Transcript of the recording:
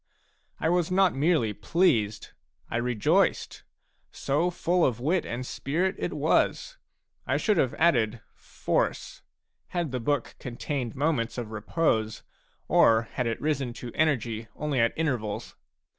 I was not merely pleased ; I rejoiced. So full of wit and spirit it was ! I should have added " force," had the book contained moments of repose, or had it risen to energy only at intervals.